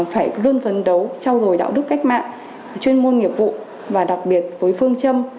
phải luôn phấn đấu trao dồi đạo đức cách mạng chuyên môn nghiệp vụ và đặc biệt với phương châm